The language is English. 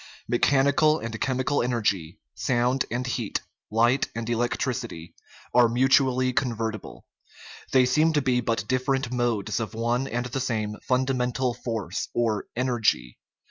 Mechanical and chemical energy, sound and heat, light and electricity, are mutually convertible; they seem to be but different modes of one and the same funda mental force or energy.